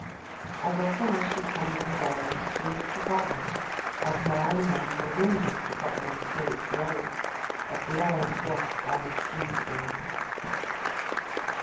As often as she comes and goes She is forgotten, as now and then The wind is forgotten until it blows A blur of dust down the street again.